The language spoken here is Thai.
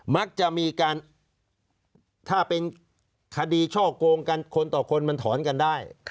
มักจะมีการถ้าเป็นคดีช่อกงกันคนต่อคนมันถอนกันได้